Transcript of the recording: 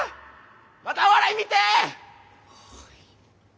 またお笑い見て！